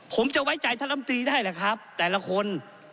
ผมจะไว้ใจท่านลำตรีได้แหละครับแต่ละคน